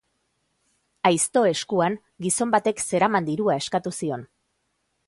Aizto eskuan, gizon batek zeraman dirua eskatu zion.